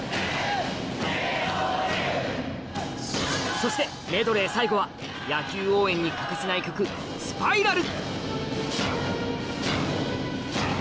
そしてメドレー最後は野球応援に欠かせない曲『スパイラル』